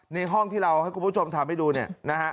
ในห้องที่เราให้คุณผู้ชมทำให้ดูเนี่ยนะฮะ